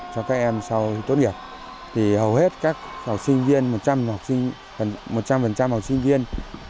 cho các em sau tốt nghiệp thì hầu hết các học sinh viên một trăm linh học sinh viên